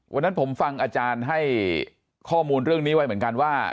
วันนั้นผมฟังอาจารย์ให้ข้อมูลเรื่องนี้ไว้เหมือนกันว่า